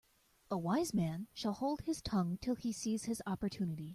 A wise man shall hold his tongue till he sees his opportunity.